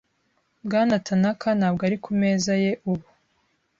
Bwana Tanaka ntabwo ari ku meza ye ubu.